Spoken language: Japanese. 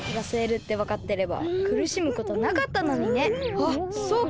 あっそうか！